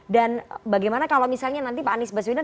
dan bagaimana kalau misalnya nanti pak anies baswedan